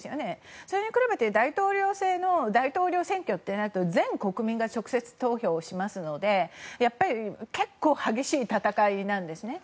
それに比べて大統領制の大統領選挙ってなると全国民が直接投票しますのでやっぱり、結構激しい戦いなんですね。